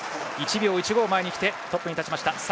１秒１５前に来てトップに立ちました。